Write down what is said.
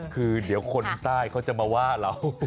คือเดี๋ยวคนใต้เขาจะมาว่าเรา